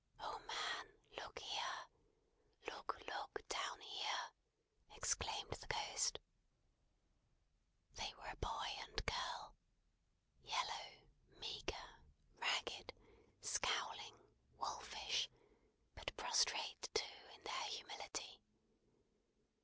"Oh, Man! look here. Look, look, down here!" exclaimed the Ghost. They were a boy and girl. Yellow, meagre, ragged, scowling, wolfish; but prostrate, too, in their humility.